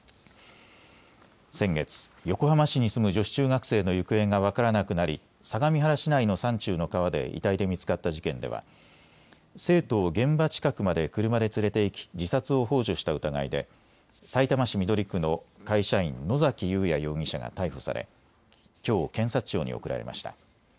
先月、横浜市に住む女子中学生の行方が分からなくなり相模原市内の山中の川で遺体で見つかった事件では生徒を現場近くまで車で連れて行き自殺をほう助した疑いでさいたま市緑区の会社員、野崎祐也容疑者が逮捕されきょう検察庁に送られました。